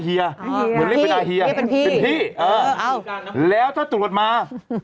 ให้เป็นพี่แหล่ะตัวเป็นมา